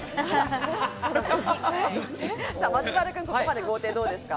松丸君、ここまで豪邸どうですか？